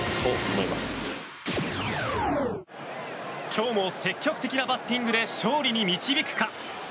今日も積極的なバッティングで勝利に導くか。